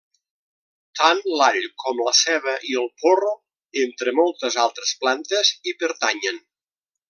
Tant l'all com la ceba i el porro, entre moltes altres plantes, hi pertanyen.